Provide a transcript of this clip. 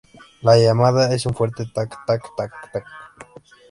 La llamada es un fuerte "tak-tak-tak-tak".